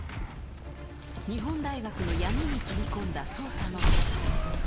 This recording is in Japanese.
日本大学の闇に切り込んだ捜査のメス。